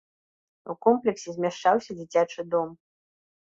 У комплексе змяшчаўся дзіцячы дом.